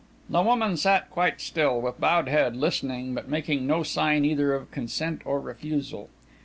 The woman sat quite still, with bowed head, listening, but making no sign either of consent or refusal.